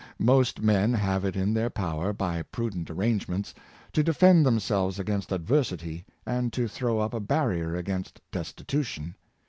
Most men have it in their power, by prudent arrange ments, to defend themselves against adversity, and to throw up a barrier against destitution.